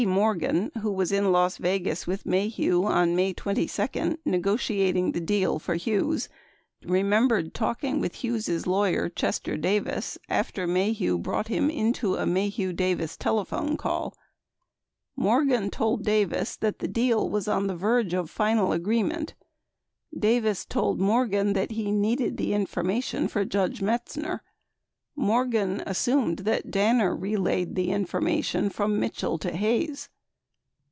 Morgan, who was in Las Yegas with Maheu on May 22 negotiating the deal for Hughes, remembered talking with Hughes' lawyer Chester Davis after Maheu brought him into a Maheu Davis telephone call. 32 Morgan told Davis that the deal was on the verge of final agreement. Davis told Morgan that he needed the information for Judge Metzner; Morgan assumed that Danner relayed the information from Mitchell to Hayes.